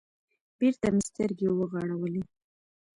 بېرته مې سترگې وغړولې.